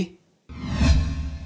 thưa quý vị